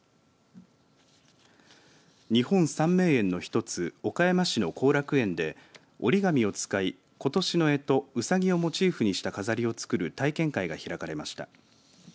日本三名園の一つ岡山市の後楽園で折り紙を使いことしのえとうさぎをモチーフにした飾りを作る体験会が開かれました。